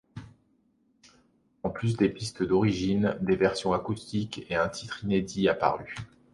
En plus des pistes d'origine, des versions acoustiques et un titre inédit apparu.